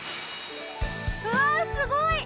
うわあすごい！